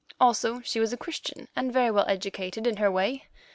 Also, she was a Christian, and well educated in her way.